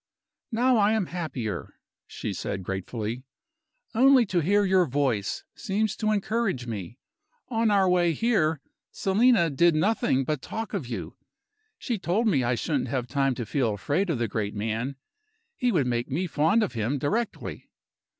"Now I am happier," she said, gratefully. "Only to hear your voice seems to encourage me. On our way here, Selina did nothing but talk of you. She told me I shouldn't have time to feel afraid of the great man; he would make me fond of him directly.